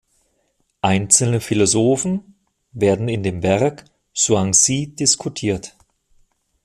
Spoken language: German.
Einzelne Philosophen werden in dem Werk "Zhuangzi" diskutiert.